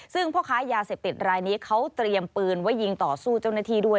ซึ่งพ่อค้ายาเสพติดรายนี้เขาเตรียมปืนไว้ยิงต่อสู้เจ้าหน้าที่ด้วย